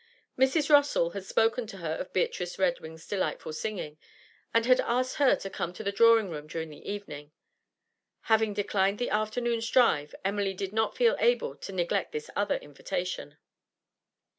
Mrs. Rossall had spoken to her of Beatrice Redwing's delightful singing, and had asked her to come to the drawing room during the evening; having declined the afternoon's drive, Emily did not feel able to neglect this other invitation.